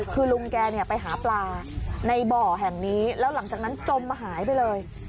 คือลุงแกไปหาปลาในบ่อแห่งนี้แล้วหลังจากนั้นจมหายไปเลย